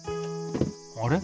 あれ？